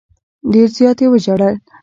ډېر زیات یې وژړل.